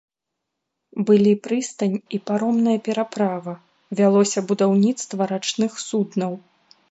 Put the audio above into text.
Былі прыстань і паромная пераправа, вялося будаўніцтва рачных суднаў.